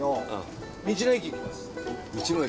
道の駅。